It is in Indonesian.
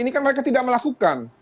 ini kan mereka tidak melakukan